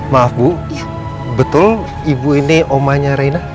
maaf bu betul ibu ini omanya reina